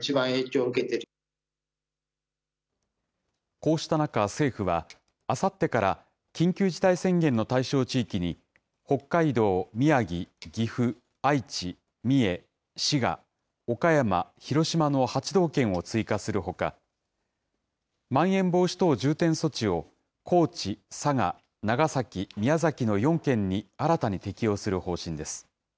こうした中、政府は、あさってから緊急事態宣言の対象地域に、北海道、宮城、岐阜、愛知、三重、滋賀、岡山、広島の８道県を追加するほか、まん延防止等重点措置を高知、佐賀、長崎、宮崎の４県に新たに適用する方針です。